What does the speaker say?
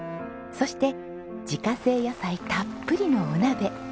そして自家製野菜たっぷりのお鍋。